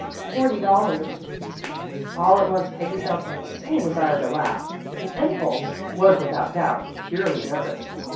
"Forty dollars." All at once Peggy felt an insane desire to laugh. The impulse was without doubt, purely nervous.